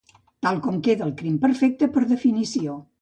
Tal com queda el crim perfecte per definició.